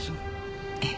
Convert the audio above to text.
ええ。